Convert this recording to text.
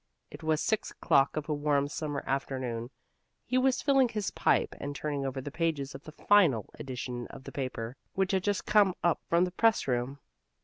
It was six o'clock of a warm summer afternoon: he was filling his pipe and turning over the pages of the Final edition of the paper, which had just come up from the press room.